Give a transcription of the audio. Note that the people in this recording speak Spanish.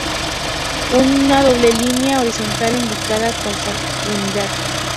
Una doble línea horizontal indica consanguinidad.